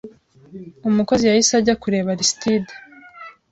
Umukozi yahise ajya kureba Arstide